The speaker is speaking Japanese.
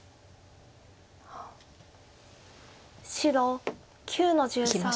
白９の十三。